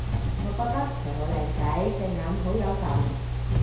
我覺得佢好靚仔！隻眼好有神